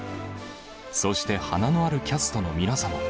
そして華のあるキャストの皆様。